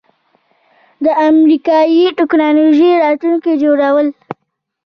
د امریکایی ټیکنالوژۍ راتلونکی جوړول